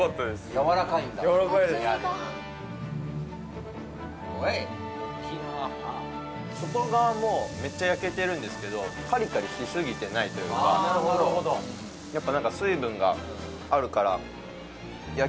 やわらかいです外側もめっちゃ焼けてるんですけどカリカリしすぎてないというか・なるほど・あなるほどな問題は・絶対？